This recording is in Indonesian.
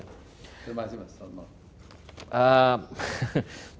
terima kasih mas salman